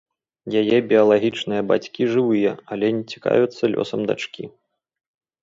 Яе біялагічныя бацькі жывыя, але не цікавяцца лёсам дачкі.